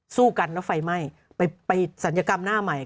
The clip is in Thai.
สู้กันแล้วไฟไหม้ไปศัลยกรรมหน้าใหม่